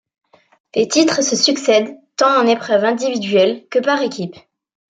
Les titres se succèdent tant en épreuves individuelles que par équipes.